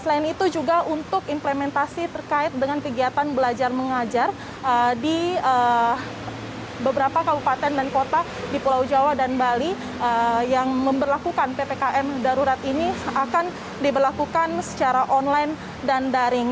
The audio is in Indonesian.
selain itu juga untuk implementasi terkait dengan kegiatan belajar mengajar di beberapa kabupaten dan kota di pulau jawa dan bali yang memperlakukan ppkm darurat ini akan diberlakukan secara online dan daring